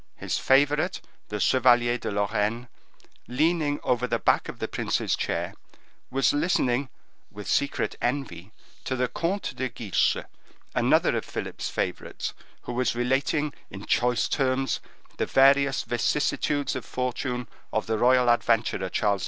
His favorite, the Chevalier de Lorraine, leaning over the back of the prince's chair, was listening, with secret envy, to the Comte de Guiche, another of Philip's favorites, who was relating in choice terms the various vicissitudes of fortune of the royal adventurer Charles II.